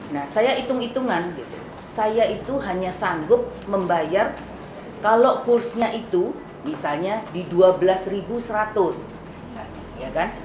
nah saya hitung hitungan saya itu hanya sanggup membayar kalau kursnya itu misalnya di dua belas seratus misalnya